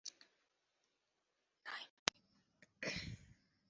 Lime থেকে এখানের পথ অনেকটা।